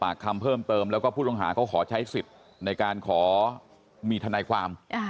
คำเพิ่มเติมแล้วก็ผู้ต้องหาเขาขอใช้สิทธิ์ในการขอมีทนายความ